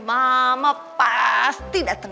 mama pasti dateng